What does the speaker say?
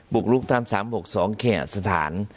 กลุกตาม๓๖๒แข่อสถาน